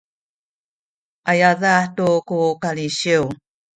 a yadah tu ku kalisiw